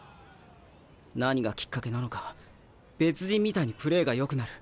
何がきっかけなのか別人みたいにプレーがよくなる。